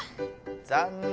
残念。